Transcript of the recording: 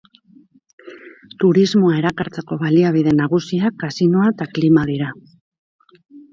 Turismoa erakartzeko baliabide nagusiak kasinoa eta klima dira.